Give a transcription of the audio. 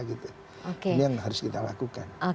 ini yang harus kita lakukan